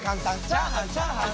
チャーハンチャーハン。